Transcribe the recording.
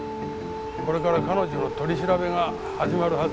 これから彼女の取り調べが始まるはずだ。